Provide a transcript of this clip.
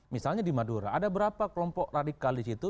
misalnya di madura ada berapa kelompok radikal di situ